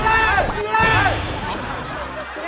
อยู่แล้ว